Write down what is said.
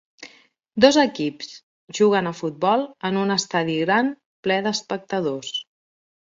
Dos equips juguen a futbol en un estadi gran ple d'espectadors.